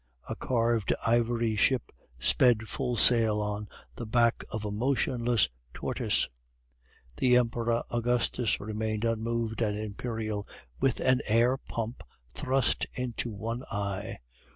A carved ivory ship sped full sail on the back of a motionless tortoise. The Emperor Augustus remained unmoved and imperial with an air pump thrust into one eye.